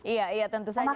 iya iya tentu saja